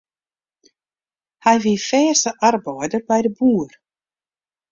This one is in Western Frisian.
Hy wie fêste arbeider by de boer.